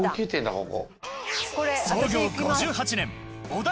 ここ。